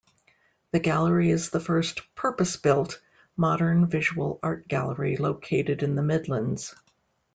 The gallery is the first purpose-built, modern visual art gallery located in the Midlands.